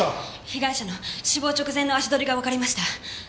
被害者の死亡直前の足取りがわかりました。